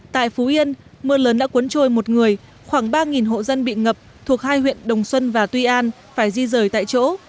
tại phú yên mưa lớn đã cuốn trôi một người khoảng ba hộ dân bị ngập thuộc hai huyện đồng xuân và tuy an phải di rời tại chỗ